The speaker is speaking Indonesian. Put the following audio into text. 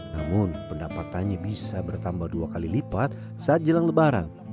namun pendapatannya bisa bertambah dua kali lipat saat jelang lebaran